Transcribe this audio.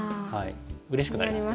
うれしくなりますけど。